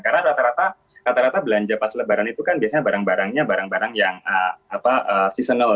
karena rata rata belanja pas lebaran itu kan biasanya barang barangnya barang barang yang seasonal